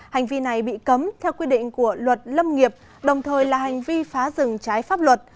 hành vi này bị cấm theo quy định của luật lâm nghiệp đồng thời là hành vi phá rừng trái pháp luật